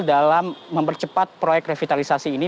dalam mempercepat proyek revitalisasi ini